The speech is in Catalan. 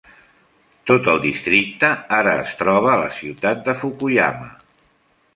Tot el districte ara es troba a la ciutat de Fukuyama.